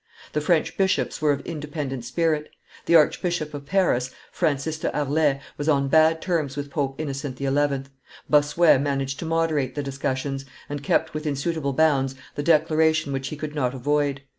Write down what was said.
The French bishops were of independent spirit; the Archbishop of Paris, Francis de Harlay, was on bad terms with Pope Innocent XI.; Bossuet managed to moderate the discussions, and kept within suitable bounds the declaration which he could not avoid.